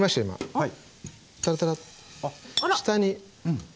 はい。